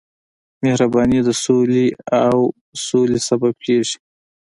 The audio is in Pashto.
مهرباني د سولې او سولې سبب کېږي.